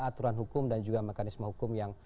aturan hukum dan juga mekanisme hukum yang